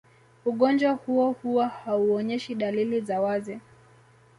Ugonjwa huo huwa hauonyeshi dalili za wazi